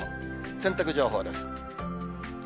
洗濯情報です。